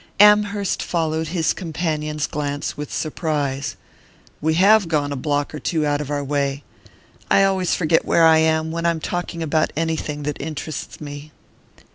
Amherst followed his companion's glance with surprise. "We have gone a block or two out of our way. I always forget where I am when I'm talking about anything that interests me."